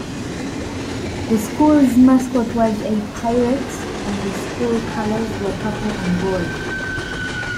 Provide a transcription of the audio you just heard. The school's mascot was a pirate and the school colors were purple and gold.